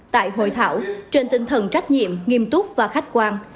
tại hội thảo trên tinh thần trách nhiệm nghiêm túc và khách quan